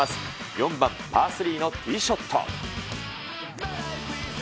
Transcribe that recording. ４番パー３のティーショット。